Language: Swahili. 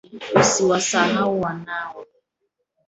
Usiwasahau wanao